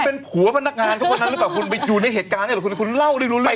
เป็นผัวพนักงานเขาคนนั้นหรือเปล่าคุณไปอยู่ในเหตุการณ์เนี่ยหรือคุณคุณเล่าได้รู้เรื่อง